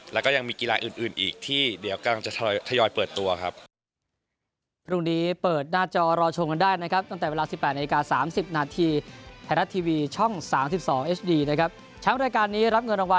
แล้วก็ยังมีกีฬาอื่นอีกที่เดี๋ยวกำลังจะทยอยเปิดตัวครับ